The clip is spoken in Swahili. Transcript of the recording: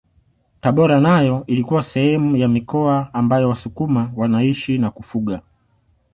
Tabora nayo ilikuwa sehemu ya mikoa ambayo wasukuma wanaishi na kufuga